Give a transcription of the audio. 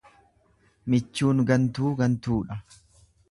Michuun gantuu gantuudha.